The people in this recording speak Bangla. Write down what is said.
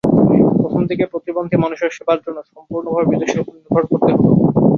প্রথম দিকে প্রতিবন্ধী মানুষের সেবার জন্য সম্পূর্ণভাবে বিদেশের ওপর নির্ভর করতে হতো।